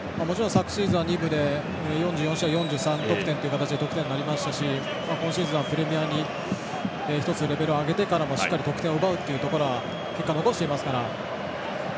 昨シーズンは２部で４３試合４４得点で得点王になりましたし今シーズンはプレミアに１つレベルを上げてからしっかり得点を奪うっていうところは結果を残していますから。